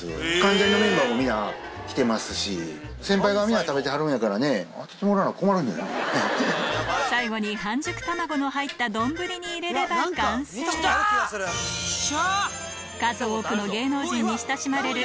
あとはネギを入れたら最後に半熟卵の入った丼に入れれば完成数多くの芸能人に親しまれる